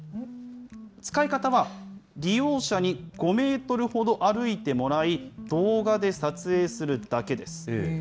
使い方は、利用者に５メートルほど歩いてもらい、動画で撮影するだけです。